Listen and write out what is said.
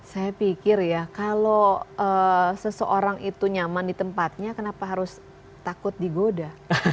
saya pikir ya kalau seseorang itu nyaman di tempatnya kenapa harus takut digoda